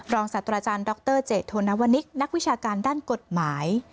ศาสตราจารย์ดรเจโธนวนิกนักวิชาการด้านกฎหมาย